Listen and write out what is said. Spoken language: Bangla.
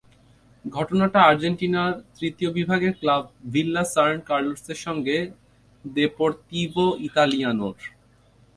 ঘটনাটা আর্জেন্টিনার তৃতীয় বিভাগের ক্লাব ভিল্লা সান কার্লোসের সঙ্গে দেপোর্তিভো ইতালিয়ানোর।